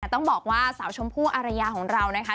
ต้องบอกว่าสาวชมพู่อารยาของเรานะคะ